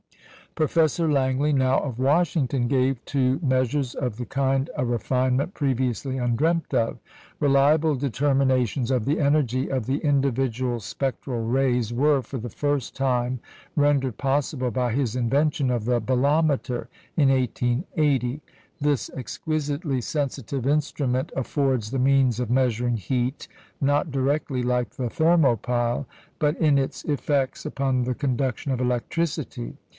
Professor Langley, now of Washington, gave to measures of the kind a refinement previously undreamt of. Reliable determinations of the "energy" of the individual spectral rays were, for the first time, rendered possible by his invention of the "bolometer" in 1880. This exquisitely sensitive instrument affords the means of measuring heat, not directly, like the thermopile, but in its effects upon the conduction of electricity.